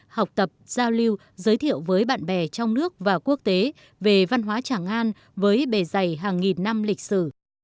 học tập giao lưu giới thiệu với bạn bè trong nước và quốc tế về văn hóa tràng an với bề dày hàng nghìn năm lịch sử